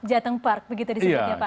jatim park begitu disitu ya pak